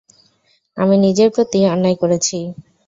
আমি নিজের প্রতি অন্যায় করেছি।